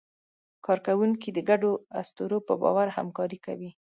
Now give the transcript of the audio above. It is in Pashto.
کارکوونکي د ګډو اسطورو په باور همکاري کوي.